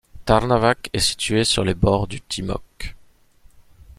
Trnavac est situé sur les bords du Timok.